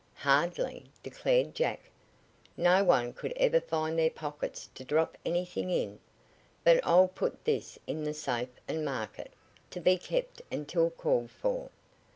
"Hardly," declared Jack. "No one could ever find their pockets to drop anything in. But I'll put this in the safe and mark it `to be kept until called for.'